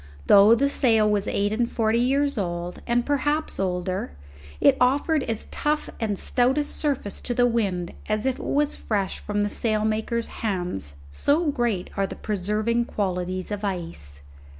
Though the sail was eight and forty years old and perhaps older, it offered as tough and stout a surface to the wind as if it was fresh from the sailmaker's hands, so great are the preserving qualities of ice.